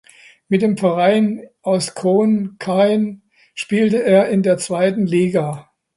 Mit dem Verein aus Khon Kaen spielte er in der zweiten Liga.